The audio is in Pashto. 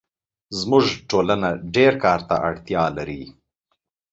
زموږ ټولنه ډېرکار ته اړتیا لري